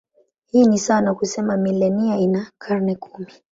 Hii ni sawa na kusema milenia ina karne kumi.